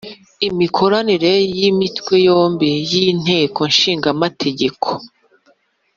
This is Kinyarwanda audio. Imikoranire y Imitwe yombi y Inteko Ishinga amategeko